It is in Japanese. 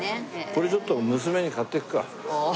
これちょっと娘に買っていくか？